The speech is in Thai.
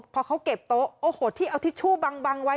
พอเขาเก็บโต๊ะโอ้โหที่เอาทิชชู่บังไว้